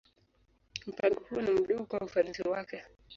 Mpango huo ni mdogo kwa ufanisi wake.